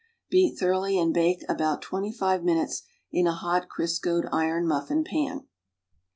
Beat thoroughly and Ijake about twenty five minutes in a hot, Cris coed iron mutfin pan.